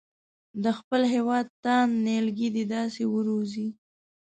د خپل هېواد تاند نیالګي دې داسې وروزي.